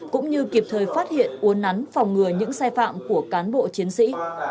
cũng như kịp thời phát hiện uốn nắn phòng ngừa những xe phạm của cán bộ chiến sĩ